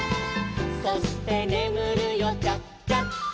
「そしてねむるよチャチャチャ」